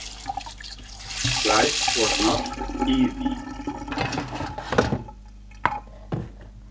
Life was not easy.